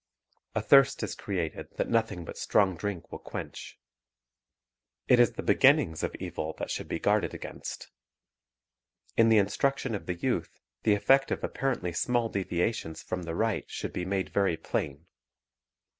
A thirst is created that nothing but strong drink will quench. It is the beginnings of evil that should be guarded against. In the instruction of the youth the effect of apparently small deviations from the right should be made very plain.